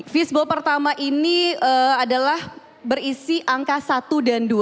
fishball pertama ini adalah berisi angka satu dan dua